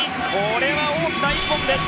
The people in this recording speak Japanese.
これは大きな一本です。